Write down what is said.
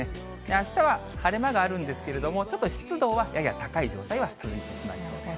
あしたは晴れ間があるんですけど、ちょっと湿度はやや高い状態は続いてしまいそうです。